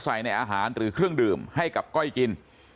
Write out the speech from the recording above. ใส่ในอาหารหรือเครื่องดื่มให้กับก้อยกิน